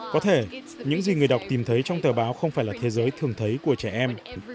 có thể những gì người đọc tìm thấy trong tờ báo không phải là thế giới thường thấy của trẻ em